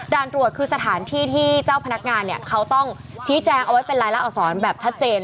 ตรวจคือสถานที่ที่เจ้าพนักงานเนี่ยเขาต้องชี้แจงเอาไว้เป็นรายละอักษรแบบชัดเจน